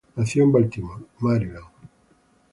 Nacido en Baltimore, Maryland.